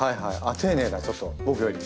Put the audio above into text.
丁寧だちょっと僕より。